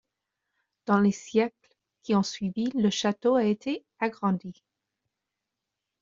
Dans les siècles qui ont suivi, le château a été agrandi.